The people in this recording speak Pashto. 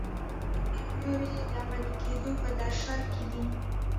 او ځینې نورې د عملي کیدو په درشل کې دي.